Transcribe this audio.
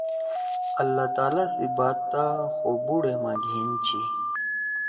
)اللّٰہ تعالٰی سی بات تا خو بُوڑا ما گھین چھی(